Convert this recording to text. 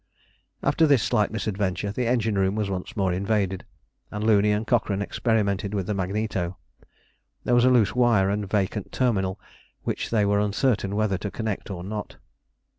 After this slight misadventure the engine room was once more invaded, and Looney and Cochrane experimented with the magneto. There was a loose wire and vacant terminal which they were uncertain whether to connect or not.